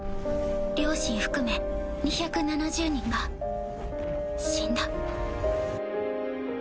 両親含め２７０人が死んだ。